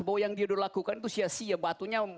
bahwa yang dia udah lakukan itu sia sia batunya